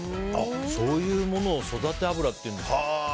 そういうものを育て油っていうんですか。